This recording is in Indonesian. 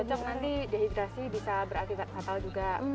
jadi kalau gak cocok nanti dehidrasi bisa berakibat fatal juga